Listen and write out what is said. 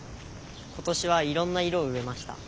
今年はいろんな色を植えました。